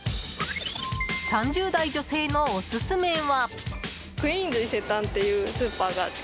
３０代女性のオススメは。